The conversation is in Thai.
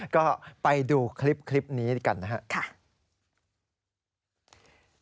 ก็ไปดูคลิปนี้กันนะครับ